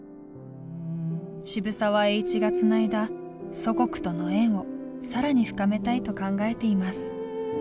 渋沢栄一がつないだ祖国との縁を更に深めたいと考えています。